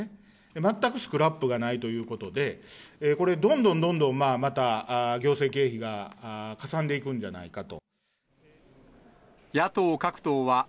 全くスクラップがないということで、これ、どんどんどんどんまた、行政経費がかさんでいくんじゃないかと。